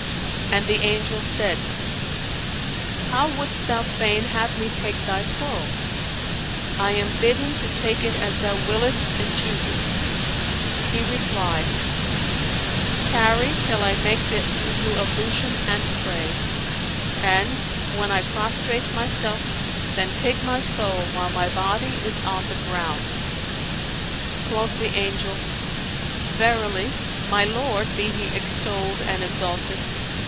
And the Angel said "How wouldst thou fain have me take thy soul? I am bidden to take it as thou willest and choosest." He replied, "Tarry till I make the Wuzu ablution and pray; and, when I prostrate myself, then take my soul while my body is on the ground."[FN#454] Quoth the Angel, "Verily, my Lord (be He extolled and exalted!)